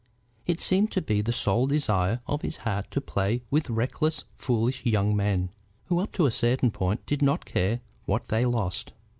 It seemed to be the sole desire of his heart to play with reckless, foolish young men, who up to a certain point did not care what they lost.